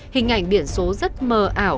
hình ảnh biển số rất mờ ảo